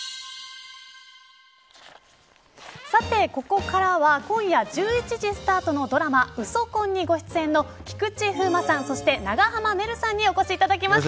ここからは今夜１１時スタートのドラマウソ婚にご出演の菊池風磨さん、長濱ねるさんにお越しいただきました。